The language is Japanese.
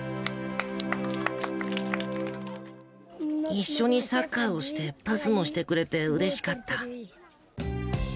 一緒にサッカーをして、パスもしてくれて、うれしかった。